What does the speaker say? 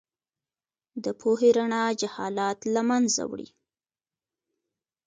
د پوهې رڼا جهالت له منځه وړي.